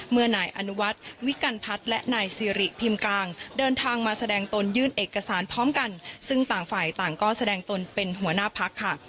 นายอนุวัฒน์วิกัณพัฒน์และนายซีริพิมพ์กลางเดินทางมาแสดงตนยื่นเอกสารพร้อมกันซึ่งต่างฝ่ายต่างก็แสดงตนเป็นหัวหน้าพักค่ะ